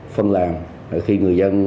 phân làng khi người dân